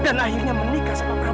dan akhirnya menikah sama prabu iksan